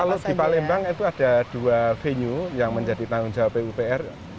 kalau di palembang itu ada dua venue yang menjadi tanggung jawab pupr